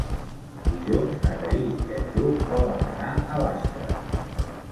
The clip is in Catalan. Dilluns na Thaís i en Lluc volen anar a Bàscara.